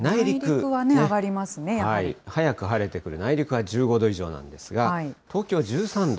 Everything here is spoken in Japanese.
早く晴れてくる、内陸は１５度以上なんですが、東京１３度。